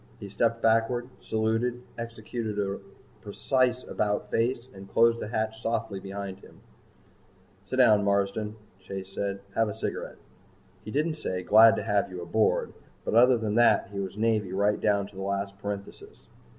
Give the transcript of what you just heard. He stepped backward, saluted, executed a precise about face and closed the hatch softly behind him. "Sit down, Marsden," Chase said. "Have a cigarette." He didn't say, "Glad to have you aboard." But other than that he was Navy right down to the last parenthesis.